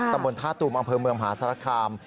ตมถ้าตู่มอำเภอมเมืองหาสรรคาม